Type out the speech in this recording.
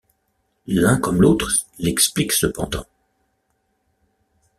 L'un comme l'autre l'expliquent cependant.